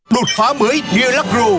đột phá mới nielagro